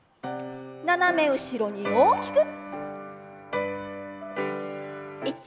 斜め後ろに大きく。